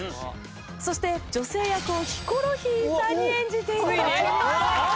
そして女性役をヒコロヒーさんに演じて頂きます。